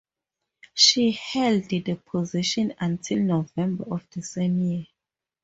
She held the position until November of the same year.